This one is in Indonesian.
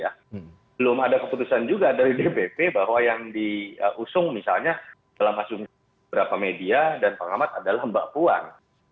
belum ada keputusan juga dari dpp bahwa yang diusung misalnya dalam asumsi beberapa media dan pengamat adalah mbak puan